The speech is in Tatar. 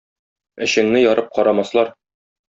Эчеңне ярып карамаслар.